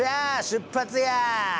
出発や！